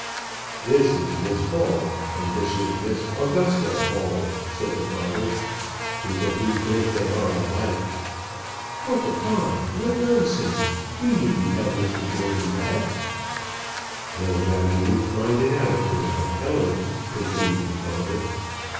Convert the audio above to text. "This is Miss Hall, and this is Miss Augusta Hall," said the father. "People do think that they are alike." "Oh, papa, what nonsense! You needn't tell Mr Gordon that." "No doubt he would find it out without telling," continued the father.